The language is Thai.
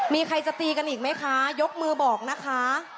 มีใครจะตีกันอีกไหมคะยกมือบอกนะคะ